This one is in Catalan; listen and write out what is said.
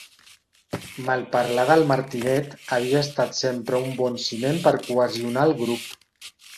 Malparlar del Martinet havia estat sempre un bon ciment per cohesionar el grup.